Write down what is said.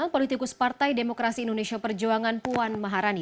politikus partai demokrasi indonesia perjuangan puan maharani